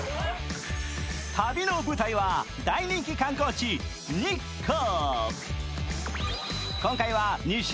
旅の舞台は、大人気観光地・日光。